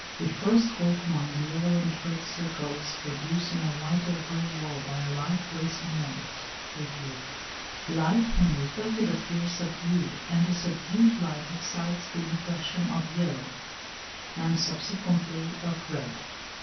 We first call to mind the yellow and red circles produced on a white or grey wall by a light placed near it (88). Light when reflected appears subdued, and a subdued light excites the impression of yellow, and subsequently of red.